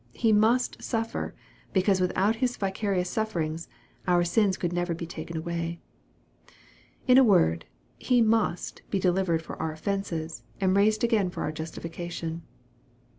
He " must" suffer, because without His vicarious sufferings, our sins could never be taken away. In a word, He " must" be delivered for our offences, and raised again for our justification.